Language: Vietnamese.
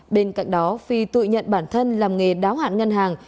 bên cạnh đó phi tự nhận bản thân làm nghề đáo hạn ngân hàng